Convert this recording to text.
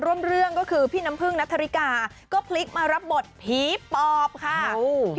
พอมองอีกทีไปครับครับ